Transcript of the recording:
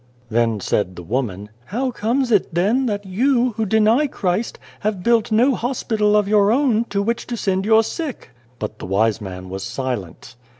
Then said the woman :" How comes it, then, that you, who deny Christ, have built no hospital of your own, to which to send your sick ?" But the wise man was silent.